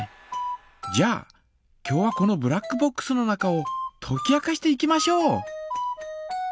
じゃあ今日はこのブラックボックスの中をとき明かしていきましょう。